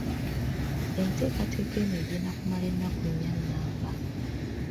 Enteekateeka eno egenda kumala ennaku nnya nnamba.